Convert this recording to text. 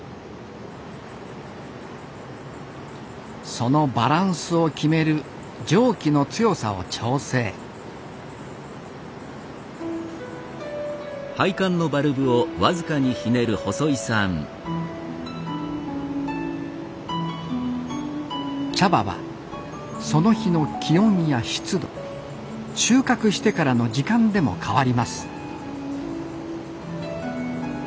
そのバランスを決める蒸気の強さを調整茶葉はその日の気温や湿度収穫してからの時間でも変わります